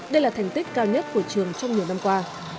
đây là thành tích cao nhất của trường trong nhiều năm qua